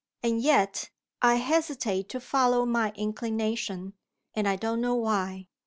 And yet, I hesitate to follow my inclination and I don't know why."